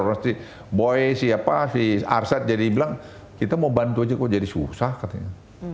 orang si boy si apa si arsad jadi bilang kita mau bantu aja kok jadi susah katanya